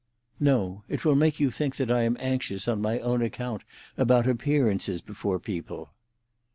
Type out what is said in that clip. "No; it will make you think that I am anxious on my own account about appearances before people."